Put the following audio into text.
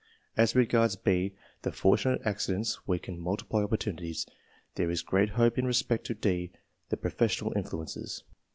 As regards B, the fortunate accidents, we can multiply opportunities. There is great hope in respect to D, the professional influences.